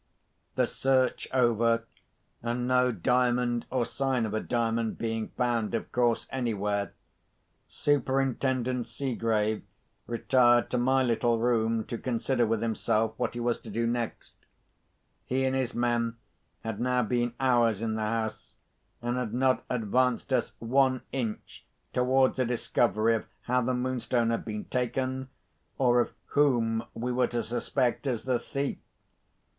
The search over, and no Diamond or sign of a Diamond being found, of course, anywhere, Superintendent Seegrave retired to my little room to consider with himself what he was to do next. He and his men had now been hours in the house, and had not advanced us one inch towards a discovery of how the Moonstone had been taken, or of whom we were to suspect as the thief.